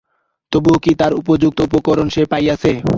তবুও কি আর উপযুক্ত উপকরণ সে পাইয়াছে?